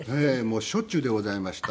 しょっちゅうでございました。